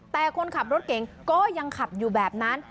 แต่คนขับรถเก่งก็ยังขับอยู่แบบนั้น